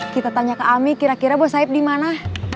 kita tanya ke ami kira kira bos saib di mana